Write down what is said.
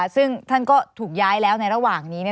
ซึ่งท่านก็ถูกย้ายแล้วในระหว่างนี้